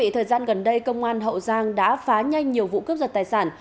thời gian gần đây công an hậu giang đã phá nhanh nhiều vụ cướp giật tài sản